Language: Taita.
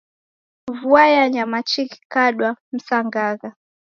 Vua yanya machi ghikadwa msangagha